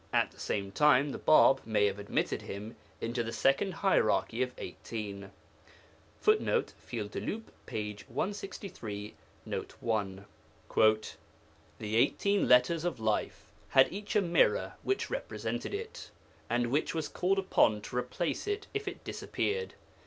At the same time, the Bāb may have admitted him into the second hierarchy of 18. [Footnote: Fils du Loup, p. 163 n.1. 'The eighteen Letters of Life had each a mirror which represented it, and which was called upon to replace it if it disappeared.